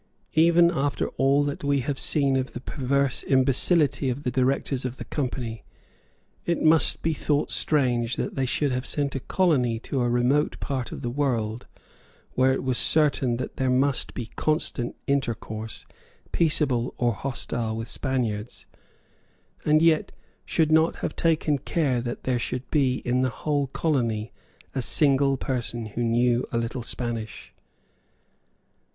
Even after all that we have seen of the perverse imbecility of the directors of the Company, it must be thought strange that they should have sent a colony to a remote part of the world, where it was certain that there must be constant intercourse, peaceable or hostile, with Spaniards, and yet should not have taken care that there should be in the whole colony a single person who knew a little Spanish.